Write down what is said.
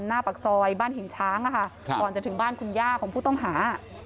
หน้าปากซอยบ้านหินช้างก่อนจะถึงบ้านคุณย่าของผู้ต้องหา